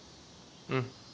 うん。